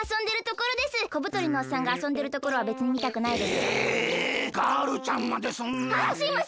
こぶとりのおっさんがあそんでるところはべつにみたくないです。